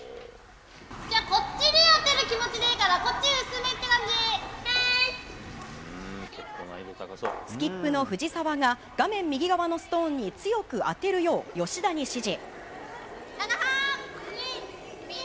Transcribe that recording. こっちに当てる気持ちでいいスキップの藤澤が、画面右側のストーンに強く当てるよう、吉田に指示。